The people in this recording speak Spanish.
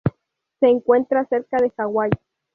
Se encuentra cerca de Hawaii.